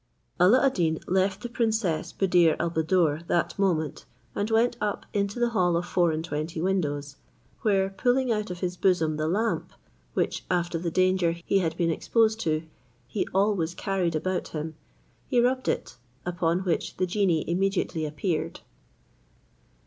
Alla ad Deen left the princess Buddir al Buddoor that moment, and went up into the hall of four and twenty windows, where pulling out of his bosom the lamp, which, after the danger he had been exposed to, he always carried about him, he rubbed it; upon which the genie immediately appeared.